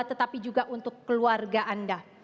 tetapi juga untuk keluarga anda